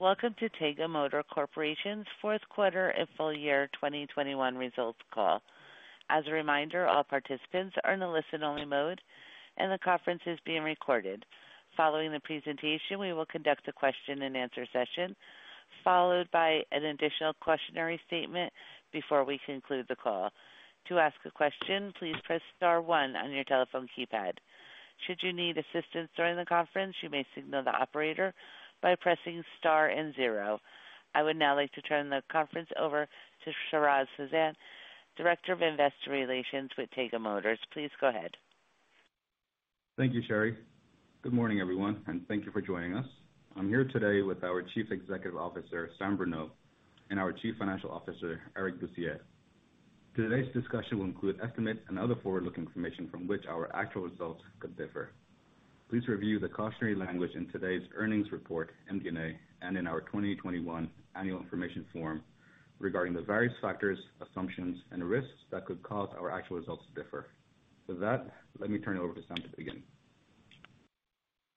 Welcome to Taiga Motors Corporation's fourth quarter and full year 2021 results call. As a reminder, all participants are in a listen-only mode, and the conference is being recorded. Following the presentation, we will conduct a question-and-answer session, followed by an additional cautionary statement before we conclude the call. To ask a question, please press star one on your telephone keypad. Should you need assistance during the conference, you may signal the operator by pressing star and zero. I would now like to turn the conference over to Shahroz Hussain, Director of Investor Relations with Taiga Motors. Please go ahead. Thank you, Sherry. Good morning, everyone, and thank you for joining us. I'm here today with our Chief Executive Officer, Sam Bruneau, and our Chief Financial Officer, Eric Bussières. Today's discussion will include estimates and other forward-looking information from which our actual results could differ. Please review the cautionary language in today's earnings report, MD&A, and in our 2021 annual information form regarding the various factors, assumptions, and risks that could cause our actual results to differ. With that, let me turn it over to Sam to begin.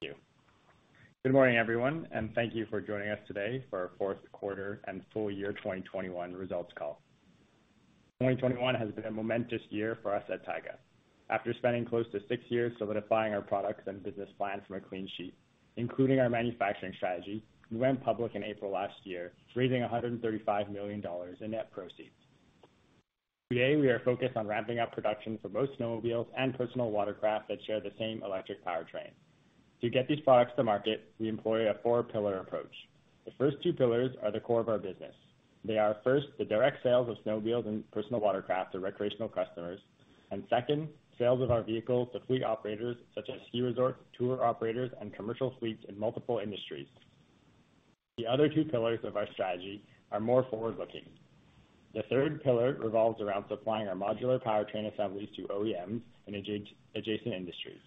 Thank you. Good morning, everyone, and thank you for joining us today for our fourth quarter and full year 2021 results call. 2021 has been a momentous year for us at Taiga. After spending close to six years solidifying our products and business plans from a clean sheet, including our manufacturing strategy, we went public in April last year, raising 135 million dollars in net proceeds. Today, we are focused on ramping up production for both snowmobiles and personal watercraft that share the same electric powertrain. To get these products to market, we employ a four-pillar approach. The first two pillars are the core of our business. They are, first, the direct sales of snowmobiles and personal watercraft to recreational customers, and second, sales of our vehicles to fleet operators such as ski resorts, tour operators, and commercial fleets in multiple industries. The other two pillars of our strategy are more forward-looking. The third pillar revolves around supplying our modular powertrain assemblies to OEMs in adjacent industries.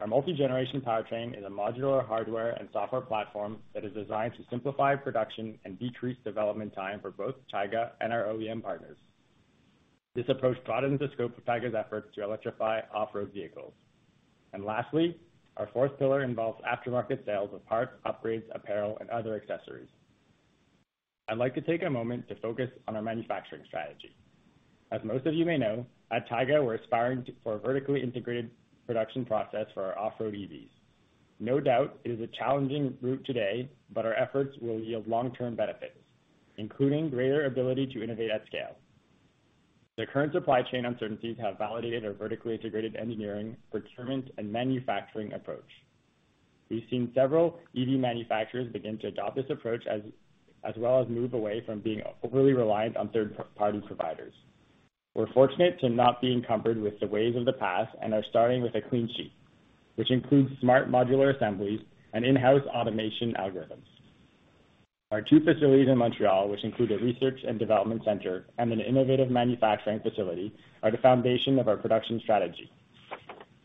Our multi-generation powertrain is a modular hardware and software platform that is designed to simplify production and decrease development time for both Taiga and our OEM partners. This approach broadens the scope of Taiga's efforts to electrify off-road vehicles. Lastly, our fourth pillar involves aftermarket sales of parts, upgrades, apparel, and other accessories. I'd like to take a moment to focus on our manufacturing strategy. As most of you may know, at Taiga, we're aspiring for a vertically integrated production process for our off-road EVs. No doubt it is a challenging route today, but our efforts will yield long-term benefits, including greater ability to innovate at scale. The current supply chain uncertainties have validated our vertically integrated engineering, procurement, and manufacturing approach. We've seen several EV manufacturers begin to adopt this approach as well as move away from being overly reliant on third-party providers. We're fortunate to not be encumbered with the ways of the past and are starting with a clean sheet, which includes smart modular assemblies and in-house automation algorithms. Our two facilities in Montreal, which include a research and development center and an innovative manufacturing facility, are the foundation of our production strategy.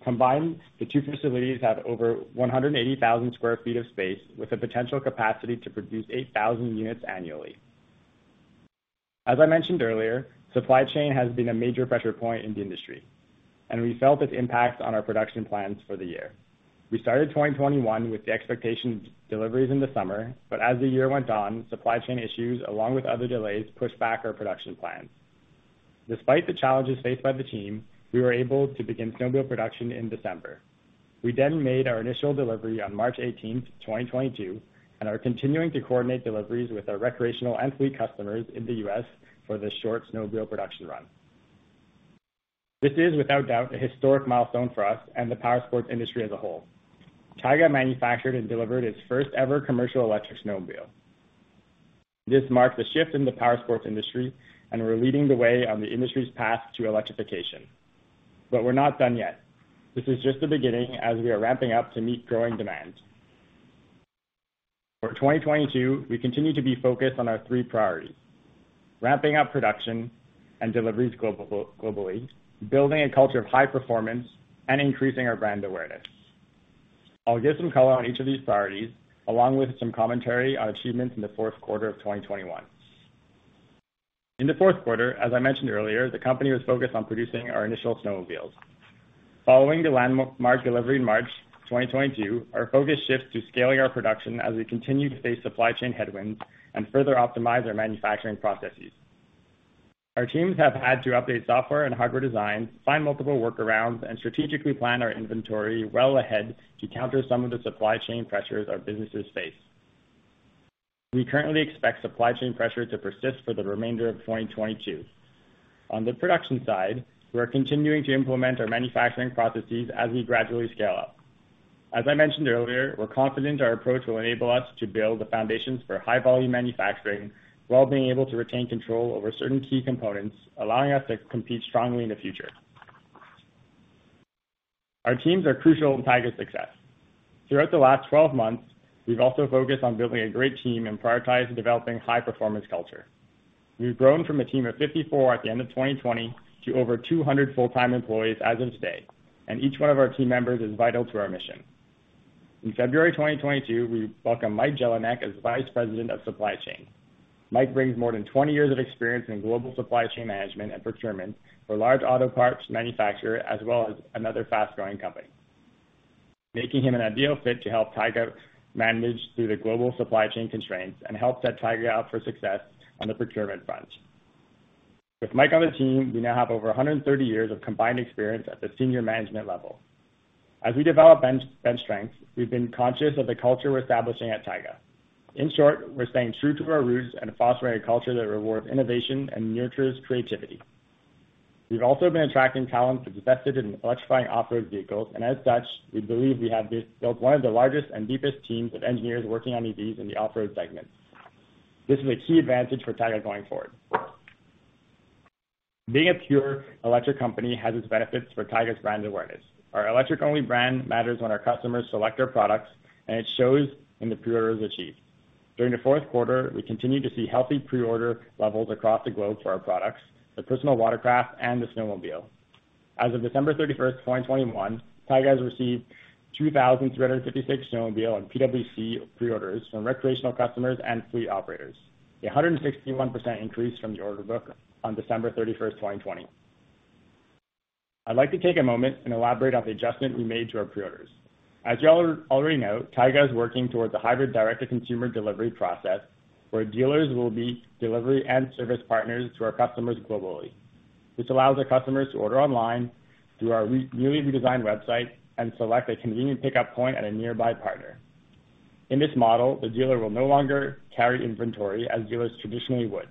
Combined, the two facilities have over 180,000 sq ft of space with a potential capacity to produce 8,000 units annually. As I mentioned earlier, supply chain has been a major pressure point in the industry, and we felt its impact on our production plans for the year. We started 2021 with the expectation of deliveries in the summer, but as the year went on, supply chain issues along with other delays pushed back our production plans. Despite the challenges faced by the team, we were able to begin snowmobile production in December. We then made our initial delivery on March 18th, 2022, and are continuing to coordinate deliveries with our recreational and fleet customers in the U.S. for this short snowmobile production run. This is without doubt a historic milestone for us and the powersports industry as a whole. Taiga manufactured and delivered its first-ever commercial electric snowmobile. This marks a shift in the powersports industry, and we're leading the way on the industry's path to electrification. We're not done yet. This is just the beginning as we are ramping up to meet growing demand. For 2022, we continue to be focused on our three priorities, ramping up production and deliveries globally, building a culture of high performance, and increasing our brand awareness. I'll give some color on each of these priorities, along with some commentary on achievements in the fourth quarter of 2021. In the fourth quarter, as I mentioned earlier, the company was focused on producing our initial snowmobiles. Following the landmark delivery in March 2022, our focus shifts to scaling our production as we continue to face supply chain headwinds and further optimize our manufacturing processes. Our teams have had to update software and hardware designs, find multiple workarounds, and strategically plan our inventory well ahead to counter some of the supply chain pressures our businesses face. We currently expect supply chain pressure to persist for the remainder of 2022. On the production side, we're continuing to implement our manufacturing processes as we gradually scale up. As I mentioned earlier, we're confident our approach will enable us to build the foundations for high volume manufacturing while being able to retain control over certain key components, allowing us to compete strongly in the future. Our teams are crucial to Taiga's success. Throughout the last 12 months, we've also focused on building a great team and prioritize developing high-performance culture. We've grown from a team of 54 at the end of 2020 to over 200 full-time employees as of today, and each one of our team members is vital to our mission. In February 2022, we welcomed Mike Jelinek as Vice President of Supply Chain. Mike brings more than 20 years of experience in global supply chain management and procurement for large auto parts manufacturers as well as another fast-growing company, making him an ideal fit to help Taiga manage through the global supply chain constraints and help set Taiga up for success on the procurement front. With Mike on the team, we now have over 130 years of combined experience at the senior management level. As we develop bench strength, we've been conscious of the culture we're establishing at Taiga. In short, we're staying true to our roots and fostering a culture that rewards innovation and nurtures creativity. We've also been attracting talent that's invested in electrifying off-road vehicles, and as such, we believe we have built one of the largest and deepest teams of engineers working on EVs in the off-road segment. This is a key advantage for Taiga going forward. Being a pure electric company has its benefits for Taiga's brand awareness. Our electric-only brand matters when our customers select our products, and it shows in the pre-orders achieved. During the fourth quarter, we continued to see healthy pre-order levels across the globe for our products, the personal watercraft and the snowmobile. As of December 31st, 2021, Taiga has received 2,356 snowmobile and PWC pre-orders from recreational customers and fleet operators, 161% increase from the order book on December 31st, 2020. I'd like to take a moment and elaborate on the adjustment we made to our pre-orders. As you all already know, Taiga is working towards a hybrid direct-to-consumer delivery process, where dealers will be delivery and service partners to our customers globally. Which allows our customers to order online through our recently redesigned website and select a convenient pickup point at a nearby partner. In this model, the dealer will no longer carry inventory as dealers traditionally would.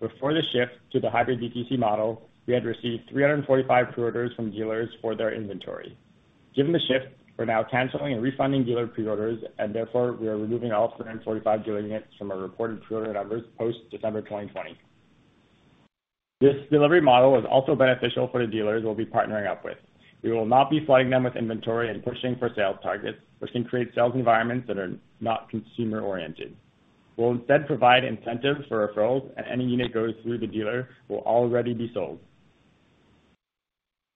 Before the shift to the hybrid DTC model, we had received 345 pre-orders from dealers for their inventory. Given the shift, we're now canceling and refunding dealer pre-orders and therefore we are removing all 345 dealer units from our reported pre-order numbers post-December 2020. This delivery model is also beneficial for the dealers we'll be partnering up with. We will not be flooding them with inventory and pushing for sales targets, which can create sales environments that are not consumer-oriented. We'll instead provide incentives for referrals, and any unit goes through the dealer will already be sold.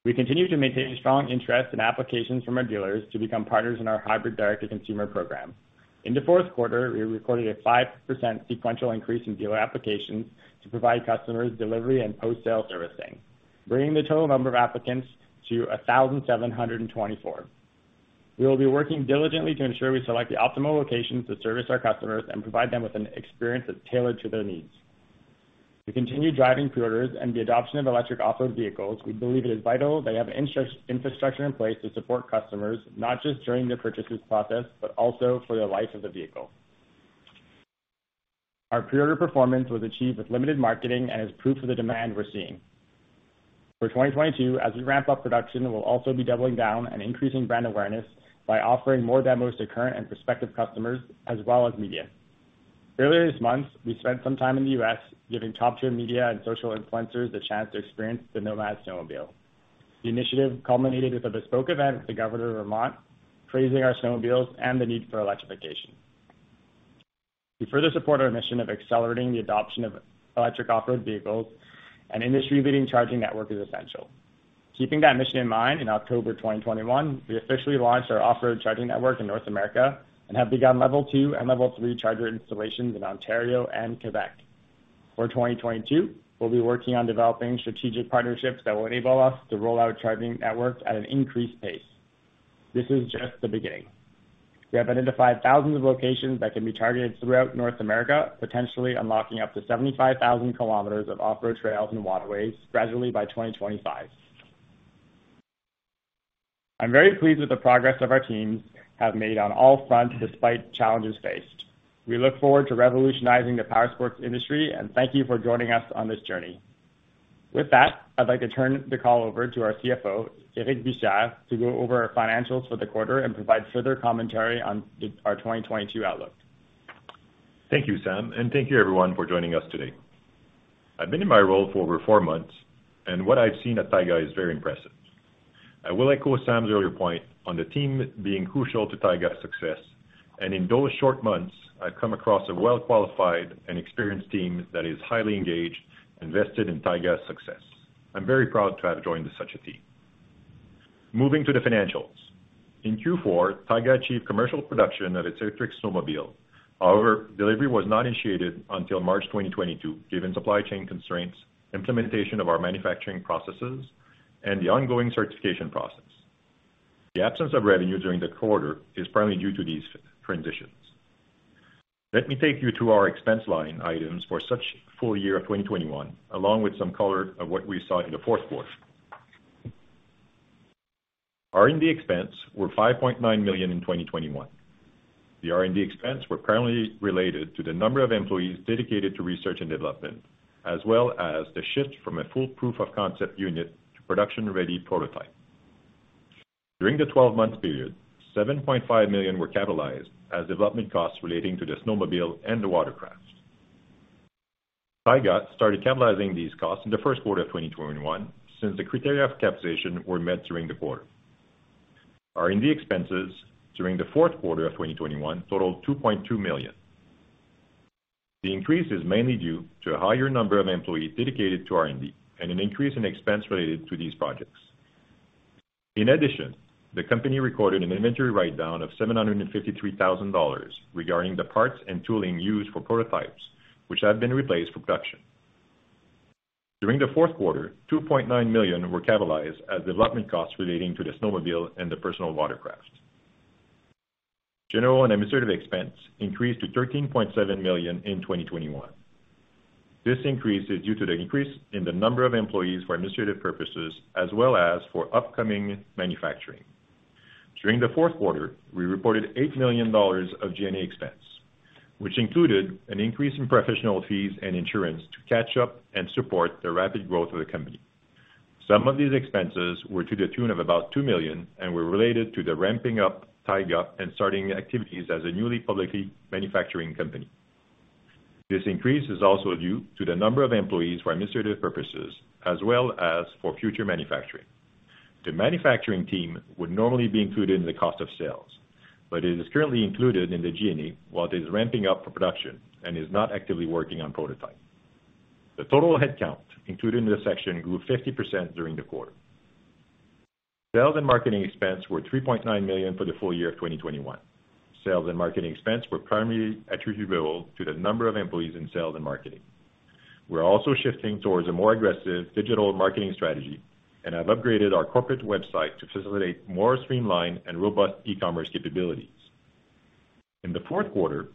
We continue to maintain strong interest in applications from our dealers to become partners in our hybrid direct-to-consumer program. In the fourth quarter, we recorded a 5% sequential increase in dealer applications to provide customers delivery and post-sale servicing, bringing the total number of applicants to 1,724. We will be working diligently to ensure we select the optimal locations to service our customers and provide them with an experience that's tailored to their needs. To continue driving pre-orders and the adoption of electric off-road vehicles, we believe it is vital that they have infrastructure in place to support customers, not just during the purchases process, but also for the life of the vehicle. Our pre-order performance was achieved with limited marketing and is proof of the demand we're seeing. For 2022, as we ramp up production, we'll also be doubling down and increasing brand awareness by offering more demos to current and prospective customers, as well as media. Earlier this month, we spent some time in the U.S. giving top-tier media and social influencers the chance to experience the Nomad snowmobile. The initiative culminated with a bespoke event with the governor of Vermont, praising our snowmobiles and the need for electrification. To further support our mission of accelerating the adoption of electric off-road vehicles, an industry-leading charging network is essential. Keeping that mission in mind, in October 2021, we officially launched our off-road charging network in North America and have begun Level 2 and Level 3 charger installations in Ontario and Quebec. For 2022, we'll be working on developing strategic partnerships that will enable us to roll out charging networks at an increased pace. This is just the beginning. We have identified thousands of locations that can be targeted throughout North America, potentially unlocking up to 75,000 km of off-road trails and waterways gradually by 2025. I'm very pleased with the progress that our teams have made on all fronts despite challenges faced. We look forward to revolutionizing the powersports industry and thank you for joining us on this journey. With that, I'd like to turn the call over to our CFO, Eric Bussières, to go over our financials for the quarter and provide further commentary on our 2022 outlook. Thank you, Sam, and thank you everyone for joining us today. I've been in my role for over four months, and what I've seen at Taiga is very impressive. I will echo Sam's earlier point on the team being crucial to Taiga's success, and in those short months, I've come across a well-qualified and experienced team that is highly engaged, invested in Taiga's success. I'm very proud to have joined such a team. Moving to the financials. In Q4, Taiga achieved commercial production of its electric snowmobile. However, delivery was not initiated until March 2022, given supply chain constraints, implementation of our manufacturing processes, and the ongoing certification process. The absence of revenue during the quarter is primarily due to these transitions. Let me take you to our expense line items for the full year of 2021, along with some color on what we saw in the fourth quarter. R&D expenses were 5.9 million in 2021. The R&D expenses were primarily related to the number of employees dedicated to research and development, as well as the shift from a fully proof of concept unit to production-ready prototype. During the 12-month period, 7.5 million were capitalized as development costs relating to the snowmobile and the watercraft. Taiga started capitalizing these costs in the first quarter of 2021 since the criteria of capitalization were met during the quarter. R&D expenses during the fourth quarter of 2021 totaled 2.2 million. The increase is mainly due to a higher number of employees dedicated to R&D and an increase in expense related to these projects. In addition, the company recorded an inventory write-down of 753,000 dollars regarding the parts and tooling used for prototypes, which have been replaced for production. During the fourth quarter, 2.9 million were capitalized as development costs relating to the snowmobile and the personal watercraft. General and administrative expense increased to 13.7 million in 2021. This increase is due to the increase in the number of employees for administrative purposes as well as for upcoming manufacturing. During the fourth quarter, we reported 8 million dollars of G&A expense, which included an increase in professional fees and insurance to catch up and support the rapid growth of the company. Some of these expenses were to the tune of about 2 million and were related to the ramping up Taiga and starting activities as a newly publicly manufacturing company. This increase is also due to the number of employees for administrative purposes as well as for future manufacturing. The manufacturing team would normally be included in the cost of sales, but it is currently included in the G&A while it is ramping up for production and is not actively working on prototype. The total headcount included in this section grew 50% during the quarter. Sales and marketing expense were 3.9 million for the full year of 2021. Sales and marketing expense were primarily attributable to the number of employees in sales and marketing. We're also shifting towards a more aggressive digital marketing strategy and have upgraded our corporate website to facilitate more streamlined and robust e-commerce capabilities. In the fourth quarter,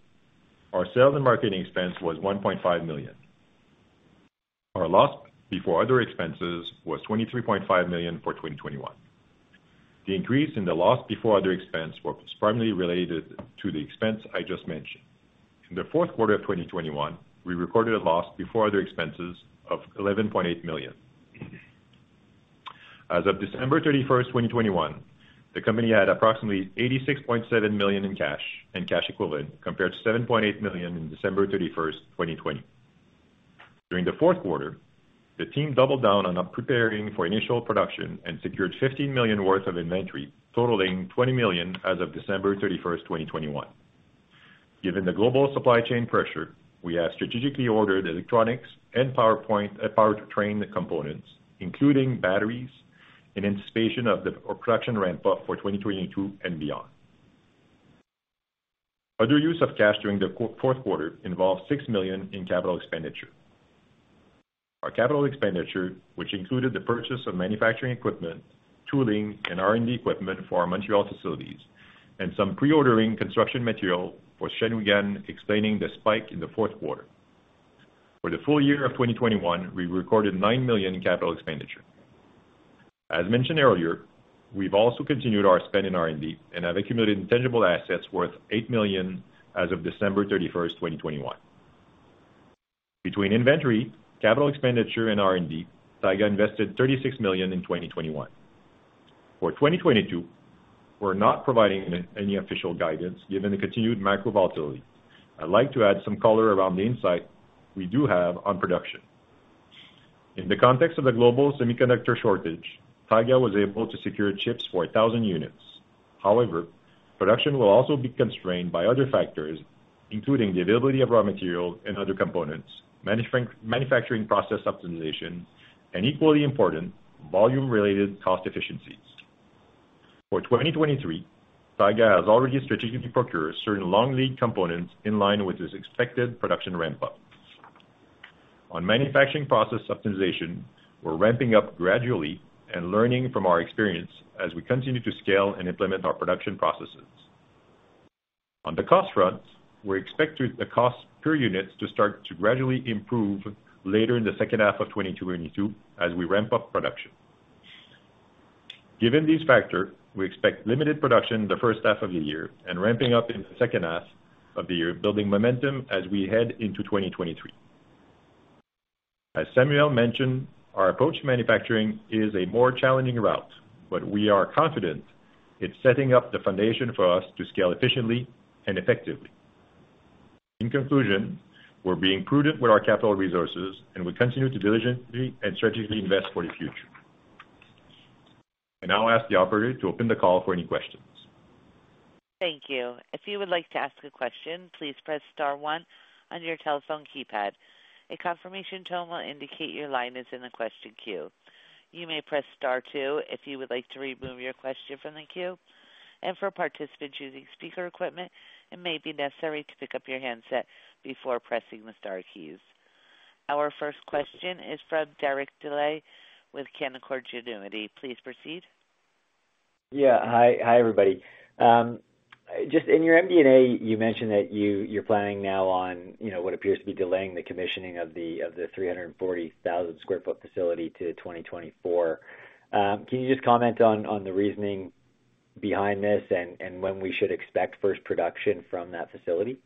our sales and marketing expense was 1.5 million. Our loss before other expenses was 23.5 million for 2021. The increase in the loss before other expenses was primarily related to the expense I just mentioned. In the fourth quarter of 2021, we recorded a loss before other expenses of 11.8 million. As of December 31st, 2021, the company had approximately 86.7 million in cash and cash equivalents, compared to 7.8 million in December 31st, 2020. During the fourth quarter, the team doubled down on preparing for initial production and secured 15 million worth of inventory, totaling 20 million as of December 31st, 2021. Given the global supply chain pressure, we have strategically ordered electronics and powertrain components, including batteries, in anticipation of the production ramp-up for 2022 and beyond. Other use of cash during the fourth quarter involved 6 million in capital expenditures. Our capital expenditures, which included the purchase of manufacturing equipment, tooling, and R&D equipment for our Montreal facilities and some pre-ordering construction materials for Shawinigan, explaining the spike in the fourth quarter. For the full year of 2021, we recorded 9 million in capital expenditures. As mentioned earlier, we've also continued our spend in R&D and have accumulated intangible assets worth 8 million as of December 31st, 2021. Between inventory, capital expenditures, and R&D, Taiga invested 36 million in 2021. For 2022, we're not providing any official guidance given the continued macro volatility. I'd like to add some color around the insight we do have on production. In the context of the global semiconductor shortage, Taiga was able to secure chips for 1,000 units. However, production will also be constrained by other factors, including the availability of raw materials and other components, manufacturing process optimization, and equally important, volume-related cost efficiencies. For 2023, Taiga has already strategically procured certain long lead components in line with its expected production ramp-up. On manufacturing process optimization, we're ramping up gradually and learning from our experience as we continue to scale and implement our production processes. On the cost front, we expect the cost per unit to start to gradually improve later in the second half of 2022 as we ramp up production. Given these factors, we expect limited production in the first half of the year and ramping up in the second half of the year, building momentum as we head into 2023. As Samuel mentioned, our approach to manufacturing is a more challenging route, but we are confident it's setting up the foundation for us to scale efficiently and effectively. In conclusion, we're being prudent with our capital resources, and we continue to diligently and strategically invest for the future. I now ask the operator to open the call for any questions. Thank you. If you would like to ask a question, please press star one on your telephone keypad. A confirmation tone will indicate your line is in the question queue. You may press star two if you would like to remove your question from the queue. For participants using speaker equipment, it may be necessary to pick up your handset before pressing the star keys. Our first question is from Derek Dley with Canaccord Genuity. Please proceed. Hi, everybody. Just in your MD&A, you mentioned that you're planning now on, you know, what appears to be delaying the commissioning of the 340,000 sq ft facility to 2024. Can you just comment on the reasoning behind this and when we should expect first production from that facility?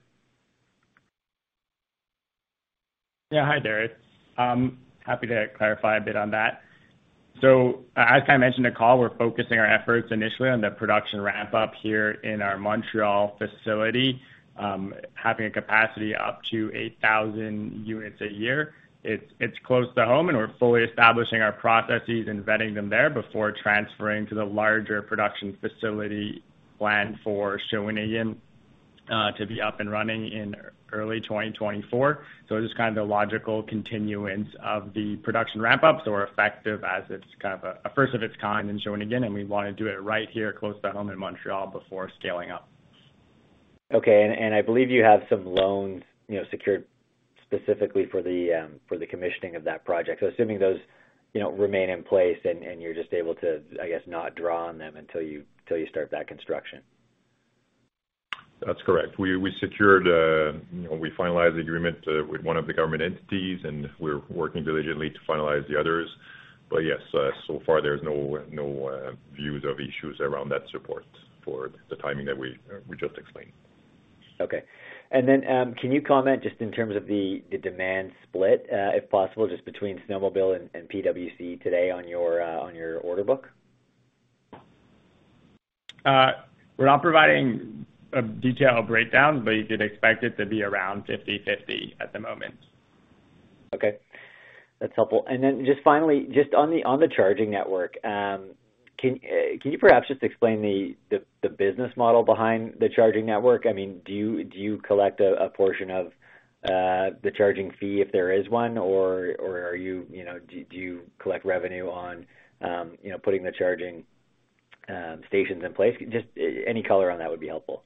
Yeah. Hi, Derek. Happy to clarify a bit on that. As I mentioned in the call, we're focusing our efforts initially on the production ramp-up here in our Montreal facility, having a capacity up to 8,000 units a year. It's close to home, and we're fully establishing our processes and vetting them there before transferring to the larger production facility planned for Shawinigan, to be up and running in early 2024. Just kind of the logical continuance of the production ramp-ups or effective as it's kind of a first of its kind in Shawinigan, and we wanna do it right here close to home in Montreal before scaling up. Okay. I believe you have some loans, you know, secured specifically for the commissioning of that project. Assuming those, you know, remain in place and you're just able to, I guess, not draw on them until you start that construction. That's correct. We secured, you know, we finalized the agreement with one of the government entities, and we're working diligently to finalize the others. Yes, so far there's no news of issues around that support for the timing that we just explained. Okay. Can you comment just in terms of the demand split, if possible, just between snowmobile and PWC today on your order book? We're not providing a detailed breakdown, but you could expect it to be around 50/50 at the moment. Okay, that's helpful. Just finally, just on the charging network, can you perhaps just explain the business model behind the charging network? I mean, do you collect a portion of the charging fee if there is one? Or are you, you know, do you collect revenue on, you know, putting the charging stations in place? Just any color on that would be helpful.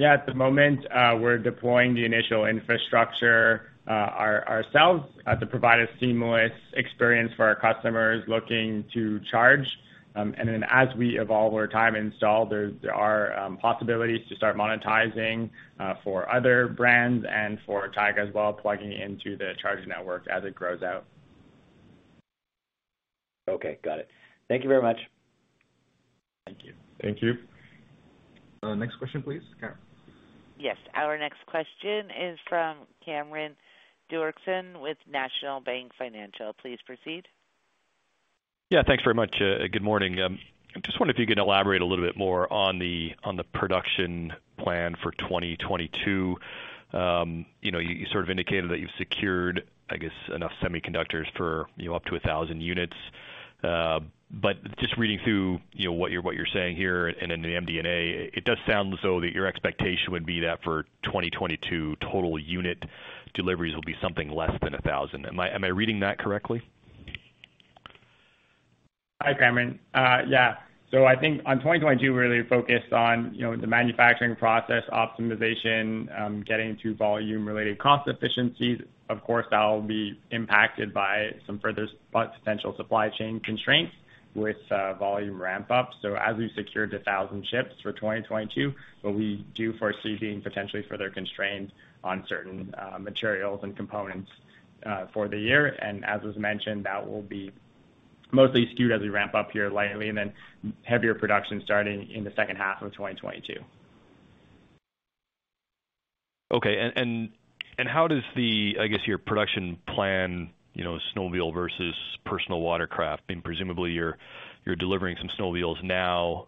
Yeah, at the moment, we're deploying the initial infrastructure ourselves to provide a seamless experience for our customers looking to charge. As we evolve our time install, there are possibilities to start monetizing for other brands and for Taiga as well, plugging into the charging network as it grows out. Okay, got it. Thank you very much. Thank you. Thank you. Next question, please, Sherry. Yes. Our next question is from Cameron Doerksen with National Bank Financial. Please proceed. Yeah, thanks very much. Good morning. I just wonder if you can elaborate a little bit more on the production plan for 2022. You know, you sort of indicated that you've secured, I guess, enough semiconductors for, you know, up to 1,000 units. But just reading through, you know, what you're saying here and in the MD&A, it does sound as though that your expectation would be that for 2022, total unit deliveries will be something less than 1,000 units. Am I reading that correctly? Hi, Cameron. Yeah. I think on 2022, we're really focused on, you know, the manufacturing process optimization, getting to volume-related cost efficiencies. Of course, that will be impacted by some further potential supply chain constraints with volume ramp-up. As we've secured 1,000 shipments for 2022, but we do foresee being potentially further constrained on certain materials and components for the year. As was mentioned, that will be mostly skewed as we ramp up here lightly and then heavier production starting in the second half of 2022. Okay. How does, I guess, your production plan, you know, snowmobile versus personal watercraft, I mean, presumably you're delivering some snowmobiles now.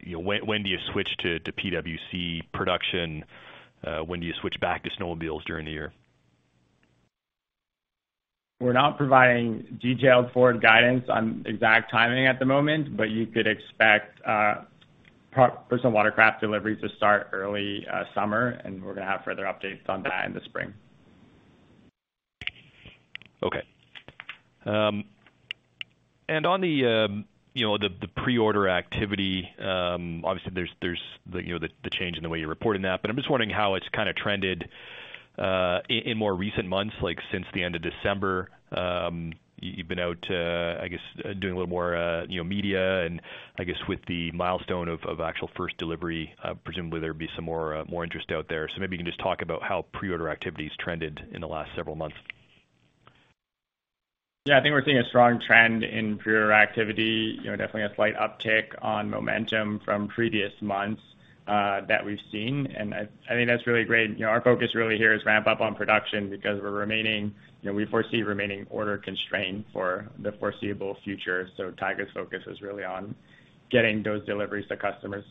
You know, when do you switch to PWC production? When do you switch back to snowmobiles during the year? We're not providing detailed forward guidance on exact timing at the moment, but you could expect personal watercraft delivery to start early summer, and we're gonna have further updates on that in the spring. Okay. On the, you know, the pre-order activity obviously there's you know the change in the way you're reporting that, but I'm just wondering how it's kind of trended in more recent months, like since the end of December. You've been out I guess doing a little more you know media and I guess with the milestone of actual first delivery, presumably there'd be some more interest out there. Maybe you can just talk about how pre-order activity's trended in the last several months. Yeah, I think we're seeing a strong trend in pre-order activity. You know, definitely a slight uptick on momentum from previous months, that we've seen. I think that's really great. You know, our focus really here is ramp up on production because we're remaining, you know, we foresee remaining order-constrained for the foreseeable future. Taiga's focus is really on getting those deliveries to customers.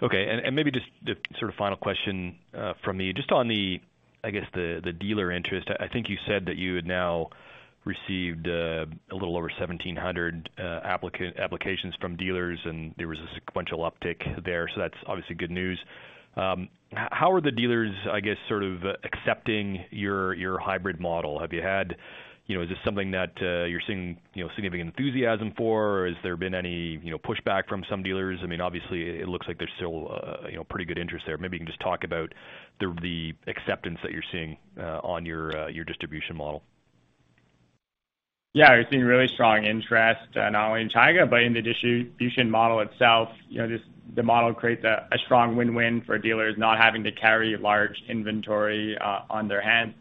Okay. Maybe just a sort of final question from me. Just on the dealer interest, I guess. I think you said that you had now received a little over 1,700 applications from dealers, and there was a sequential uptick there, so that's obviously good news. How are the dealers, I guess, sort of accepting your hybrid model? Have you had you know is this something that you're seeing you know significant enthusiasm for? Or has there been any you know pushback from some dealers? I mean, obviously it looks like there's still you know pretty good interest there. Maybe you can just talk about the acceptance that you're seeing on your distribution model. Yeah. We're seeing really strong interest, not only in Taiga, but in the distribution model itself. You know, the model creates a strong win-win for dealers not having to carry large inventory on their hands.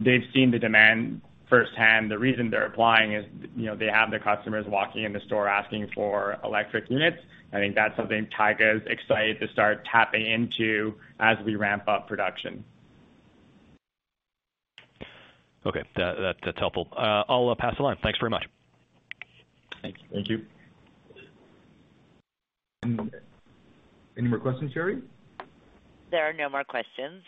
They've seen the demand firsthand. The reason they're applying is, you know, they have the customers walking in the store asking for electric units. I think that's something Taiga is excited to start tapping into as we ramp up production. Okay. That's helpful. I'll pass along. Thanks very much. Thank you. Thank you. Any more questions, Sherry? There are no more questions.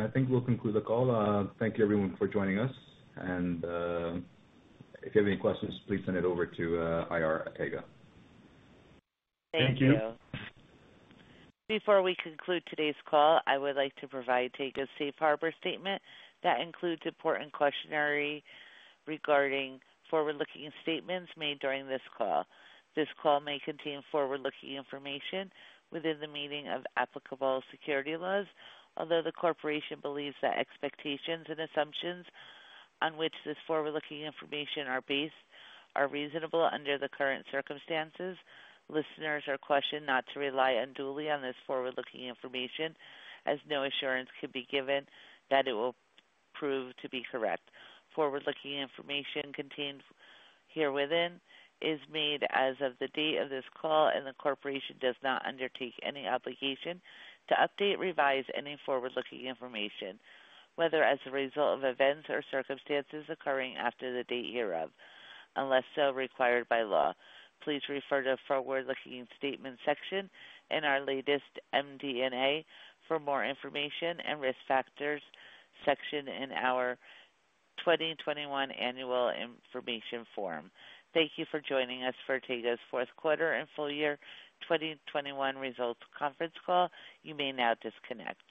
I think we'll conclude the call. Thank you everyone for joining us. If you have any questions, please send it over to IR at Taiga. Thank you. Thank you. Before we conclude today's call, I would like to provide Taiga's safe harbor statement that includes important cautionary regarding forward-looking statements made during this call. This call may contain forward-looking information within the meaning of applicable securities laws. Although the corporation believes that expectations and assumptions on which this forward-looking information are based are reasonable under the current circumstances, listeners are cautioned not to rely unduly on this forward-looking information, as no assurance could be given that it will prove to be correct. Forward-looking information contained herein is made as of the date of this call, and the corporation does not undertake any obligation to update, revise any forward-looking information, whether as a result of events or circumstances occurring after the date hereof, unless so required by law. Please refer to forward-looking statement section in our latest MD&A for more information and risk factors section in our 2021 annual information form. Thank you for joining us for Taiga's fourth quarter and full year 2021 results conference call. You may now disconnect.